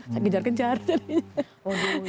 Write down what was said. saya kejar kejar jadinya